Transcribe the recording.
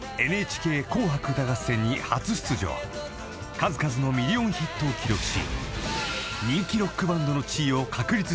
［数々のミリオンヒットを記録し］